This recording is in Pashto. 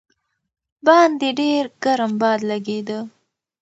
باندې ډېر ګرم باد لګېده.